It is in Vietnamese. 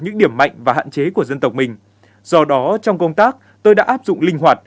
những điểm mạnh và hạn chế của dân tộc mình do đó trong công tác tôi đã áp dụng linh hoạt